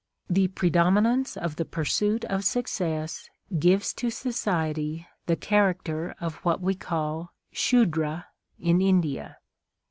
The predominance of the pursuit of success gives to society the character of what we call Shudra in India.